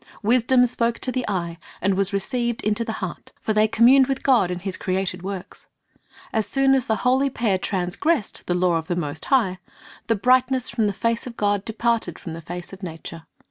Wisdom spoke to the eye, and was received into the heart; for they communed with God in His created works. As soon as the holy pair transgressed the law of the Most High, the brightness from the face of God departed from the face of nature.